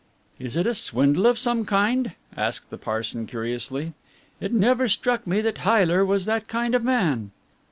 "Is it a swindle of some kind?" asked the Parson curiously. "It never struck me that Heyler was that kind of man."